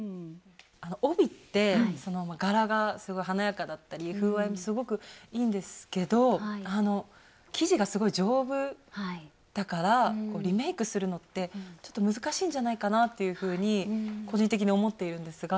帯って柄がすごい華やかだったり風合いもすごくいいんですけど生地がすごい丈夫だからリメイクするのってちょっと難しいんじゃないかなっていうふうに個人的に思っているんですが。